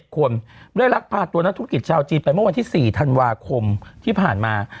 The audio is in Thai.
คนได้ลักพาตัวนักธุรกิจชาวจีนไปเมื่อวันที่๔ธันวาคมที่ผ่านมา